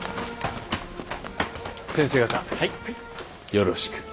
よろしく。